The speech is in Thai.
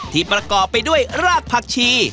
ประกอบไปด้วยรากผักชี